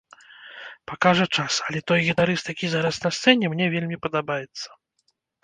Пакажа час, але той гітарыст, які зараз на сцэне, мне вельмі падабаецца.